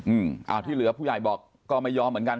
อ้าวที่เหลือผู้ใหญ่บอกก็ไม่ยอมเหมือนกัน